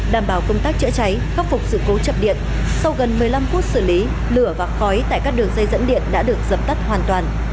đảm bảo công tác chữa cháy khắc phục sự cố chập điện sau gần một mươi năm phút xử lý lửa và khói tại các đường dây dẫn điện đã được dập tắt hoàn toàn